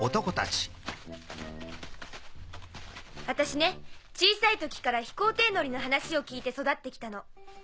私ね小さい時から飛行艇乗りの話を聞いて育って来たの。